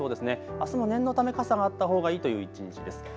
あすも念のため傘があったほうがいいという一日です。